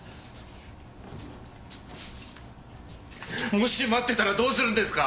もし待ってたらどうするんですか！？